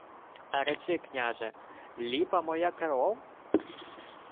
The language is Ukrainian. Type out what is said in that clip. — А речи, княже: ліпа моя кров?